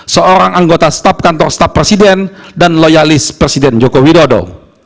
seorang anggota staf kantor staf presiden dan loyalis presiden joko widodo